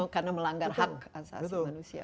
karena melanggar hak asasi manusia